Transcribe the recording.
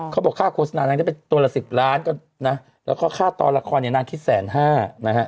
เขาบอกค่าโฆษณานางได้เป็นตัวละ๑๐ล้านก็นะแล้วก็ค่าตอนละครเนี่ยนางคิดแสนห้านะฮะ